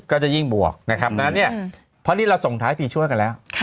ก็จะยิ่งบวกนะครับเพราะนี่เราส่งท้ายปีชั่วให้กันแล้ว